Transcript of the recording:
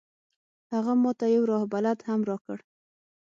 هغه ما ته یو راه بلد هم راکړ.